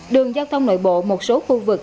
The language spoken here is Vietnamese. đường giao thông nội bộ một số khu vực